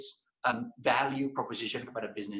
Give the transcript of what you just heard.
yang membuat proposisi nilai kepada bisnis